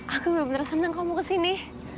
aku benar benar senang kamu ke sini